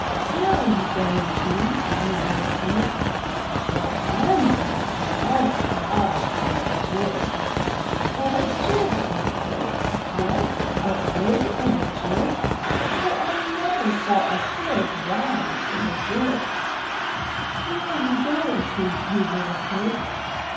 '' "Where are you going to, you little pig?" "Why, Fm going to have a nice ride in a gig!" "In a gig, little pig! What! a pig in a gig! Well, I never saw a pig ride in a gig!" 7^ IN THE NURSERY '* Where are you going to, you little pig?